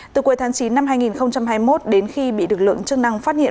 từ cuối tháng chín năm hai nghìn hai mươi một đến khi bị lực lượng chức năng phát hiện